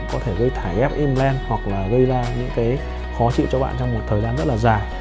có thể gây thải ép êm len hoặc là gây ra những cái khó chịu cho bạn trong một thời gian rất là dài